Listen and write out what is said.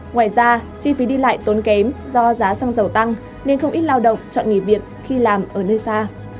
ngoài ra chi phí đi lại tốn kém do giá xăng dầu tăng nên không ít lao động chọn nghỉ việc khi làm ở nơi xa